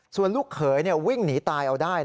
ส่วนลูกเขยวิ่งหนีตายเอาได้